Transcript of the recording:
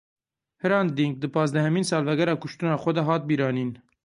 Hrant Dînk di panzdehemîn salvegera kuştina xwe de hat bîranîn.